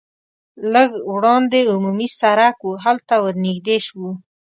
لږ وړاندې عمومي سرک و هلته ور نږدې شوو.